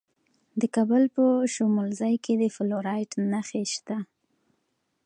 د زابل په شمولزای کې د فلورایټ نښې شته.